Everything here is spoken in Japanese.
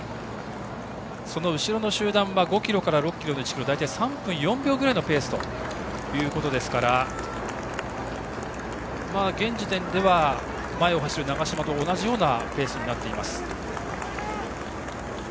その後ろの集団は５ｋｍから６ｋｍですけど大体３分４秒くらいのペースということですから現時点では、前を走る長嶋と同じようなペースになっています。